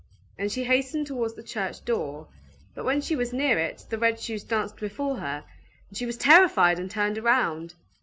And she hastened towards the church door: but when she was near it, the red shoes danced before her, and she was terrified, and turned round.